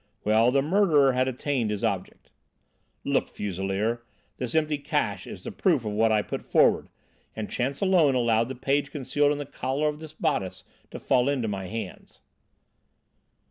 Well, the murderer had attained his object. "Look, Fuselier, this empty 'cache' is the proof of what I put forward, and chance alone allowed the page concealed in the collar of this bodice to fall into my hands."